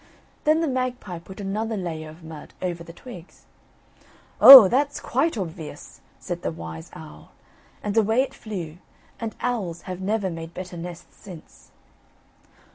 Then the magpie put another layer of mud over the twigs. "Oh that's quite obvious," said the wise owl, and away it flew; and owls have never made better nests since.